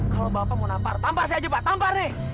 kalau bapak mau nampar tampar saya coba tampar nih